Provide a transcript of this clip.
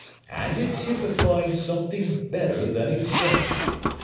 And it typified something better than itself.